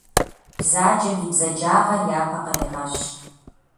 Бзаджэм и бзаджагъэр япэ кърегъэщ.